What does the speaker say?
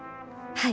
はい。